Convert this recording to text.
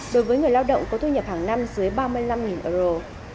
đối với người lao động có thu nhập hàng năm dưới ba mươi năm euro